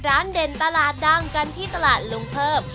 เด่นตลาดดังกันที่ตลาดลุงเพิ่ม